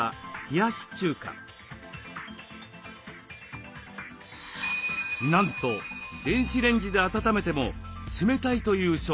なんと電子レンジで温めても冷たいという商品です。